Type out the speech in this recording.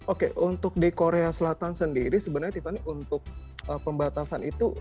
oke untuk di korea selatan sendiri sebenarnya tiffany untuk pembatasan itu